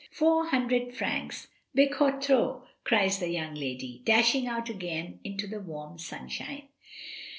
"Four hundred francs!" ^*Bocoo tro/" cries the young lady, dashing out again into the warm sun shine.